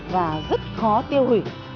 và rất khó tiêu hủy